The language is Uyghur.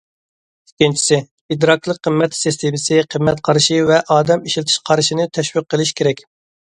ئىككىنچىسى، ئىدراكلىق قىممەت سىستېمىسى، قىممەت قارىشى ۋە ئادەم ئىشلىتىش قارىشىنى تەشۋىق قىلىشى كېرەك.